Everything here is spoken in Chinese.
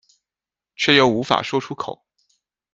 却又无法说出口